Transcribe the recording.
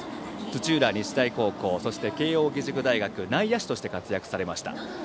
土浦日大高校、慶応義塾大学で内野手として活躍されました。